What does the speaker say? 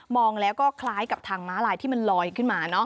องแล้วก็คล้ายกับทางม้าลายที่มันลอยขึ้นมา